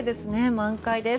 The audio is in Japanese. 満開です。